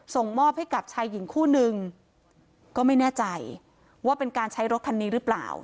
ส่งมอบให้กับชายหญิงคู่นึงก็ไม่แน่ใจว่าเป็นการใช้รถคันนี้หรือเปล่า